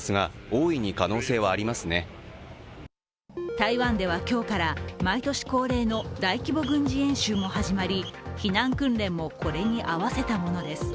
台湾では今日から毎年恒例の大規模軍事演習も始まり、避難訓練もこれに合わせたものです。